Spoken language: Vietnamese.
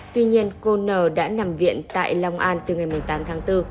tuy nhiên cô n đã nằm viện tại long an từ ngày một mươi tám tháng bốn